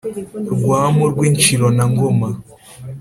Rwamu rw’ Inshiro na Ngoma